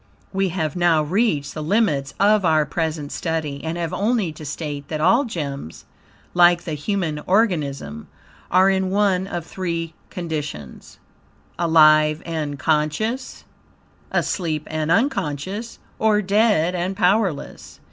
We have now reached the limits of our present study, and have only to state that all gems, like the human organism, are in one of three conditions: alive and conscious, asleep and UNCONSCIOUS, or dead and powerless.